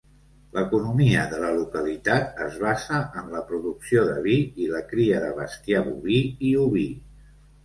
L'economia de la localitat es basa en la producció de vi i la cria de bestiar boví i oví.